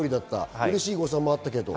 うれしい誤差もあったけれども。